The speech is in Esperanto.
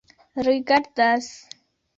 rigardas